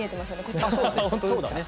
そうだね。